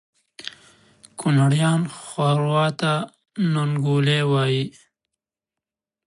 کونړیان ښوروا ته ننګولی وایي